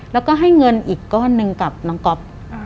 แล้วก็ให้เงินอีกก้อนหนึ่งกับน้องก๊อฟ